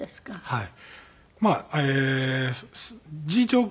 はい。